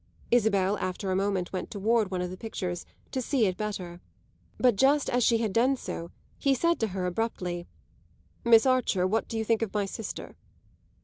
Isabel after a moment went toward one of the pictures to see it better; but just as she had done so he said to her abruptly: "Miss Archer, what do you think of my sister?"